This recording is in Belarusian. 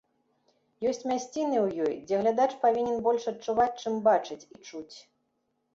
Ёсць мясціны ў ёй, дзе глядач павінен больш адчуваць, чым бачыць і чуць.